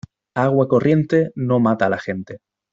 Agua corriente no mata a la gente.